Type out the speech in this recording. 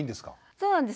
そうなんです。